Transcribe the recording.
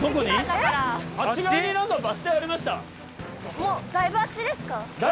もうだいぶあっちですか？